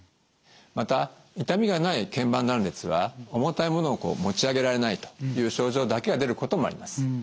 また痛みがない腱板断裂は重たいものを持ち上げられないという症状だけが出ることもあります。